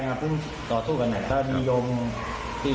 จำได้